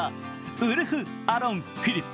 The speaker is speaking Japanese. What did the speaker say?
ウルフ・アロン・フィリップ。